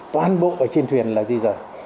toàn bộ ở trên thuyền là gì rồi